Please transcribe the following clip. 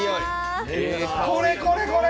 これこれこれ！